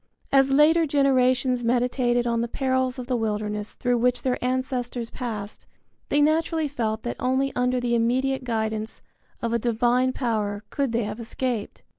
As later generations meditated on the perils of the wilderness through which their ancestors passed, they naturally felt that only under the immediate guidance of a divine power could they have escaped.